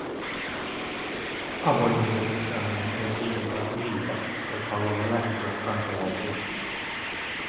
Avoimuuden lisääminen ei kuitenkaan riitä, jos haluamme lähentyä kansalaisia.